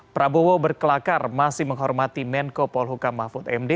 prabowo berkelakar masih menghormati menko polhukam mahfud md